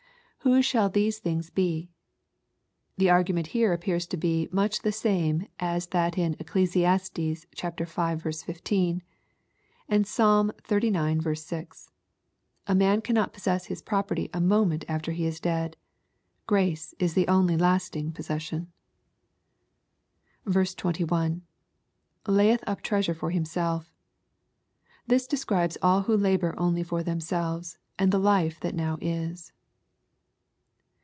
[ Whose shall these things he."] The argument here appears to be much the same as that in Eccles. v. 15, and Psalm zxziz. 0. A man cannot possess his property a moment after he is dead. Grace is the only lasting possession. 21. — [La/yeih wp treasure for himself^ This describes all who labor only for themselves, and the life that now is.